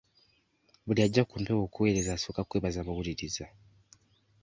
Buli ajja ku mpewo okuweereza asooka kwebaza bawuliriza.